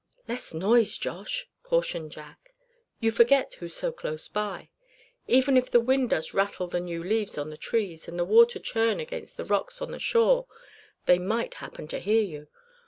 "Less noise, Josh!" cautioned Jack, "you forget who's so close by. Even if the wind does rattle the new leaves on the trees, and the water churn against the rocks on the shore, they might happen to hear you.